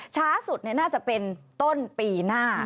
ช้าสุดน่าจะเป็นต้นปีหน้า